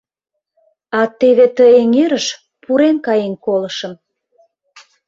— А теве ты эҥерыш пурен каен колышым.